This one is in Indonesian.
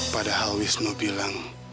padahal wisnu bilang